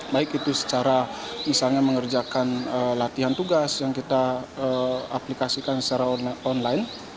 baik itu secara misalnya mengerjakan latihan tugas yang kita aplikasikan secara online